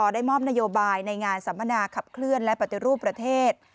ได้มอบนโยบายในงานสัมมนาขับเคลื่อนและปฏิรูปประเทศ